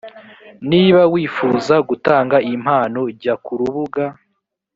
niba wifuza gutanga impano jya ku rubuga